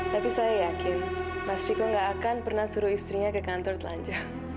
tapi saya yakin mas riko tidak akan pernah suruh istrinya ke kantor telanjang